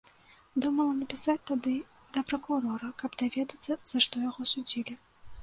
Думала напісаць тады да пракурора, каб даведацца, за што яго судзілі.